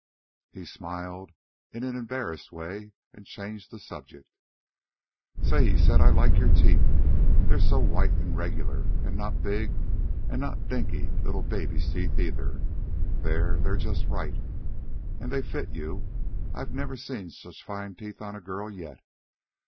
He smiled in an embarrassed way and changed the subject. "Say," he said, "I like your teeth. They're so white an' regular, an' not big, an' not dinky little baby's teeth either. They're ... they're just right, an' they fit you. I never seen such fine teeth on a girl yet.